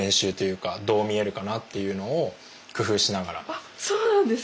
あっそうなんですか？